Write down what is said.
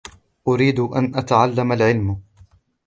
أُرِيدُ أَنْ أَتَعَلَّمَ الْعِلْمَ